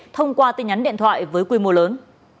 thông qua tin nhắn điện thoại với quy mô lớn